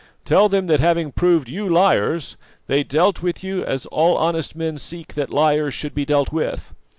Tell them that having proved you liars, they dealt with you as all honest men seek that liars should be dealt with.